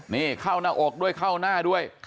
นี่เข้าหน้าอกด้วยเข้าหน้าด้วย